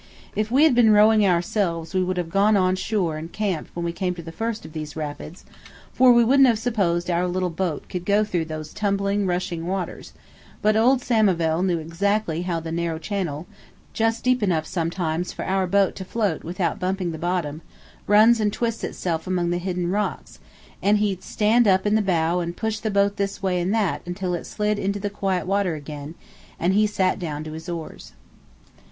If we had been rowing ourselves we would have gone on shore and camped when we came to the first of these rapids, for we wouldn't have supposed our little boat could go through those tumbling, rushing waters; but old Samivel knew exactly how the narrow channel, just deep enough sometimes for our boat to float without bumping the bottom, runs and twists itself among the hidden rocks, and he'd stand up in the bow and push the boat this way and that until it slid into the quiet water again, and he sat down to his oars.